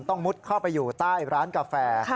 มุดเข้าไปอยู่ใต้ร้านกาแฟ